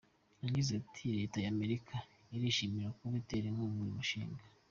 Yagize ati “Leta ya Amerika irishimira kuba itera inkunga uyu mushinga.